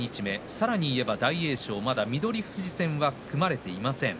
さらに言えば大栄翔はまだ翠富士戦が組まれていません。